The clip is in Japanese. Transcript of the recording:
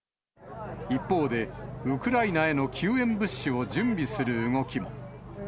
一方で、ウクライナへの救援物資を準備する動きも。